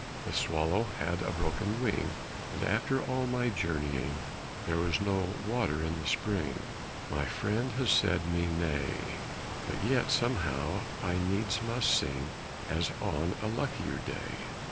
The swallow had a broken wing, And after all my journeying There was no water in the spring My friend has said me nay. But yet somehow I needs must sing As on a luckier day.